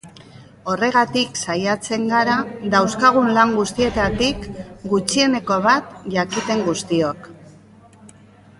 Horregatik saiatzen gara dauzkagun lan guztietatik gutxieneko bat jakiten guztiok.